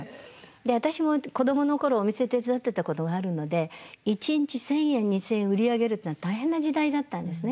で私も子どもの頃お店手伝ってたこともあるので一日１，０００円２，０００円売り上げるっていうのは大変な時代だったんですね。